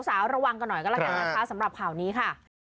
สาวระวังกันหน่อยก็แล้วกันนะคะสำหรับข่าวนี้ค่ะ